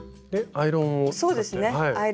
アイロンを。